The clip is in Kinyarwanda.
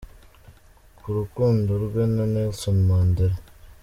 Ku rukundo rwe na Nelson Mandela.